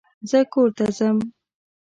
زه کور ته ځم.